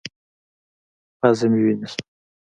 پزه مې وينې سوه.